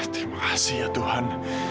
terima kasih ya tuhan